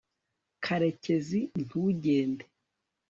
karekezi, ntugende